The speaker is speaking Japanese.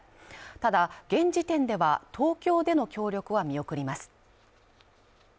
ただ、現時点では東京での協力は見送ります。